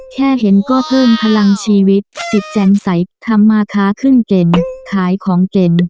แค่เห็นก็เพิ่มพลังชีวิตจิตแจงใสทำมาค้าขึ้นเก่น